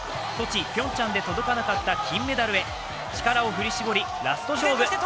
ソチ、ピョンチャンで届かなかった金メダルへ力を振り絞り、ラスト勝負。